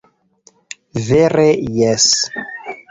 Vere jes!